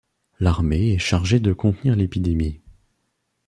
L'armée est chargée de contenir l'épidémie.